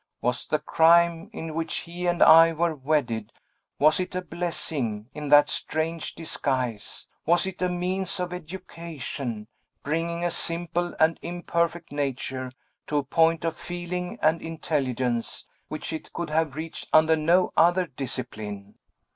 Was the crime in which he and I were wedded was it a blessing, in that strange disguise? Was it a means of education, bringing a simple and imperfect nature to a point of feeling and intelligence which it could have reached under no other discipline?"